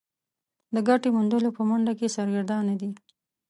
د ګټې موندلو په منډه کې سرګردانه دي.